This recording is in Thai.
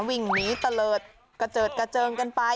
วิ่งหนีเตลอดเกาะเจิดเกาะเจิ่งกันไป